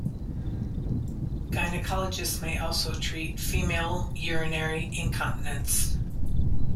Gynecologists may also treat female urinary incontinence.